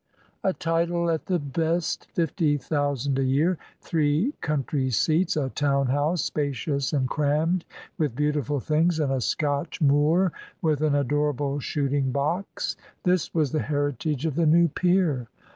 A title at the best, fifty thousand a year, three country seats, a town house, spacious and crammed with beautiful things, and a Scotch moor with an adorable shooting box. This was the heritage of the new peer!